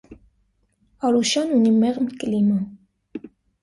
Արուշան ունի մեղմ կլիմա։